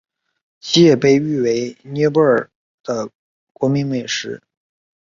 其也被誉为尼泊尔的国民美食。